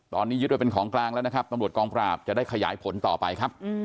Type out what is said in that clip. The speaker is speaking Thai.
ตอนนี้ยึดไว้เป็นของกลางแล้วนะครับตำรวจกองปราบจะได้ขยายผลต่อไปครับ